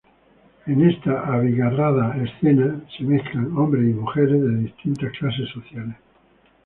En esta abigarrada escena se mezclan hombres y mujeres de distintas clases sociales.